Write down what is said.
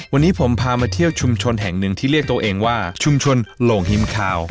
วันนี้ผมพามาเที่ยวชุมชนแห่งหนึ่งที่เรียกตัวเองว่าชุมชนโหลงฮิมคาว